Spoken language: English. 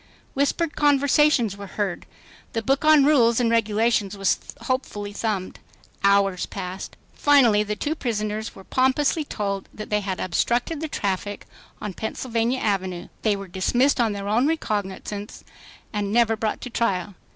Whispered conversations were heard. The book on rules and regulations was hopefully thumbed. Hours passed. Finally the two prisoners were pompously told that they had "obstructed the traffic" on Pennsylvania Avenue, were dismissed on their own recognizance, and never brought to trial.